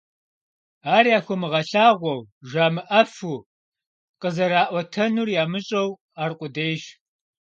Ар яхуэмыгъэлъагъуэу, жамыӀэфу, къызэраӀуэтэнур ямыщӀэу аркъудейщ.